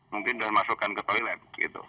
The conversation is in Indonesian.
mungkin sudah dimasukkan ke toilet gitu